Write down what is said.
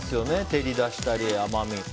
照りを出したり、甘みで。